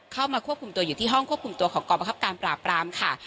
เข้ามาควบคุมตัวอยู่ที่ห้องควบคุมตัวของกรประคับการปราบรามค่ะ